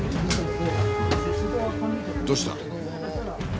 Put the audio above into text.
どうした？